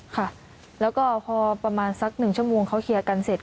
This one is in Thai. ค่ะแล้วก็พอประมาณสักหนึ่งชั่วโมงเขาเคลียร์กันเสร็จ